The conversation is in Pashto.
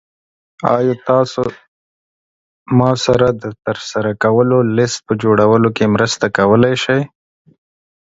ایا تاسو ما سره د ترسره کولو لیست په جوړولو کې مرسته کولی شئ؟